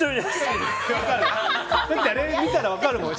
あれ見たら分かるよ。